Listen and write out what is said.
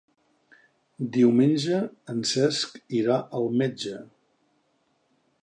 Diumenge en Cesc irà al metge.